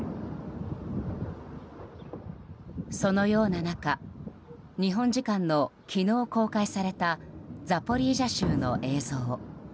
そのような中日本時間の昨日公開されたザポリージャ州の映像。